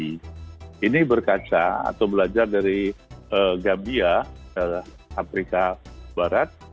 nah ini berkaca atau belajar dari gabia afrika barat